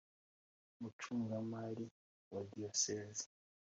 umucungamari wa Diyoseze